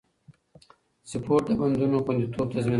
سپورت د بندونو خونديتوب تضمینوي.